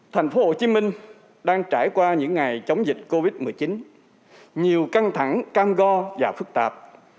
thành phố hồ chí minh đang trải qua những ngày chống dịch covid một mươi chín nhiều căng thẳng cam go và phức tạp